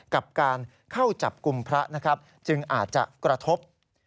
กับการเข้าจับกลุ่มพระนะครับจึงอาจจะกระทบ